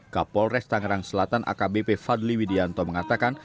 kapolres tangerang selatan akbp fadli widianto mengatakan